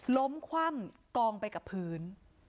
คว่ำกองไปกับพื้น